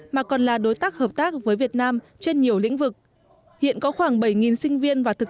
mà còn là đối tác hợp tác với việt nam trên nhiều lĩnh vực hiện có khoảng bảy sinh viên và thực